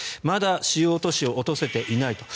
まだ主要都市を落とせていない